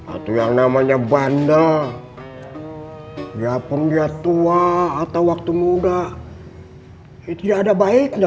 atau yang namanya bandel japon dia tua atau waktu muda itu ada baiknya